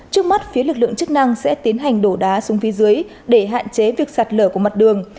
trước mắt phía lực lượng chức năng sẽ tiến hành đổ đá xuống phía dưới để hạn chế việc sạt lở của mặt đường